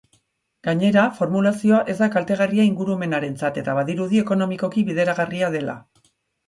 Gainera, formulazioa ez da kaltegarria ingurumenarentzat eta badirudi ekonomikoki bideragarria dela.